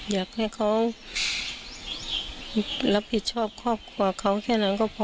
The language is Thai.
อยากให้เขารับผิดชอบครอบครัวเขาแค่นั้นก็พอ